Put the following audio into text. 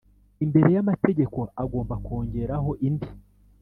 imbere y’amategeko agomba kongeraho indi